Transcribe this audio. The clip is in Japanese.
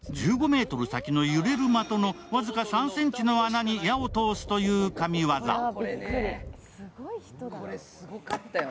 １５ｍ先の揺れる的の僅か３ｃｍの穴に矢を通すという神業。